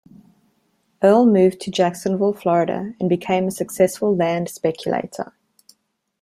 Earl moved to Jacksonville, Florida and became a successful land speculator.